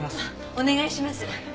お願いします。